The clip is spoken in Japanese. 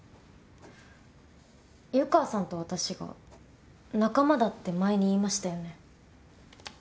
湯川さんと私が仲間だって前に言いましたよね？